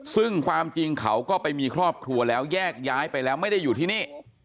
ซึ่งความจริงเขาก็ไปมีครอบครัวแล้วแยกย้ายไปแล้วไม่ได้อยู่ที่นี่